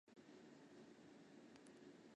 瓦唐下梅内特雷奥勒人口变化图示